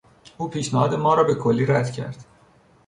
او پیشنهاد ما را به کلی رد کرد.